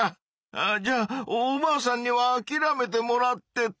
あじゃあおばあさんにはあきらめてもらってと。